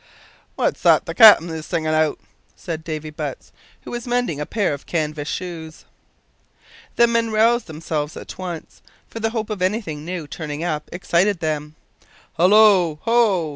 "What's that the cap'en is singin' out?" said Davy Butts, who was mending a pair of canvas shoes. The men roused themselves at once; for the hope of anything new turning up excited them. "Hallo! ho!"